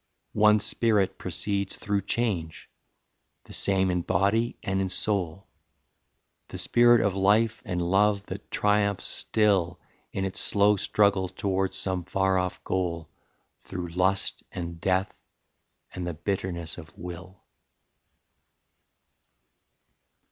One spirit proceeds Through change, the same in body and in soul The spirit of life and love that triumphs still In its slow struggle towards some far off goal Through lust and death and the bitterness of will.